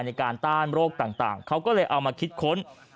ต้านโรคต่างเขาก็เลยเอามาคิดค้น